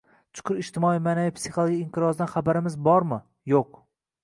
chuqur ijtimoiy-ma’naviy-psixologik inqirozdan xabarimiz bormi? Yo‘q!